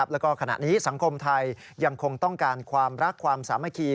แล้วก็ขณะนี้สังคมไทยยังคงต้องการความรักความสามัคคี